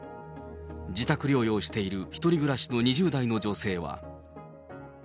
自宅療養している１人暮らしの２０代の女性は。